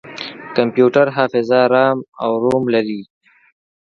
کمپیوټر حافظه رام او روم لري.